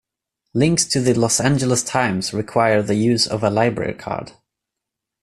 "Links to the "Los Angeles Times" require the use of a library card"